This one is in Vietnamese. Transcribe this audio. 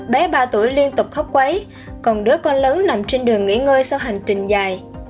bé ba tuổi liên tục khóc quáy còn đứa con lớn nằm trên đường nghỉ ngơi sau hành trình dài